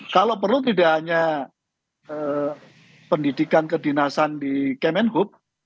kalau perlu tidak hanya pendidikan kedinasan di kemenhub